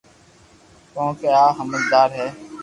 ڪونڪھ آ ھمجدار ھي